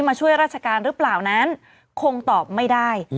มาช่วยราชการหรือเปล่านั้นคงตอบไม่ได้